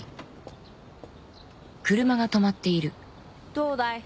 どうだい？